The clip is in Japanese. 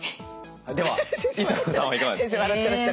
では磯野さんはいかがですか？